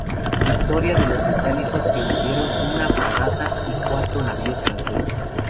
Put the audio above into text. Victoria de los británicos que hundieron una fragata y cuatro navíos franceses.